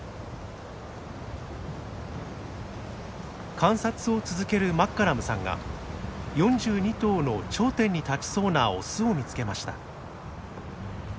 観察を続けるマッカラムさんが４２頭の頂点に立ちそうなオスを見つけました。